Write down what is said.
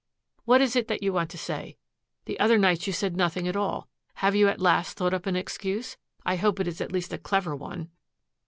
"What is it that you want to say? The other nights you said nothing at all. Have you at last thought up an excuse? I hope it is at least a clever one."